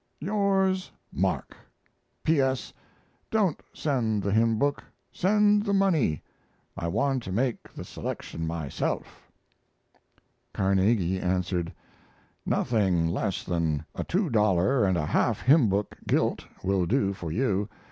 Yours, MARK. P. S. Don't send the hymn book; send the money; I want to make the selection myself. Carnegie answered: Nothing less than a two dollar & a half hymn book gilt will do for you.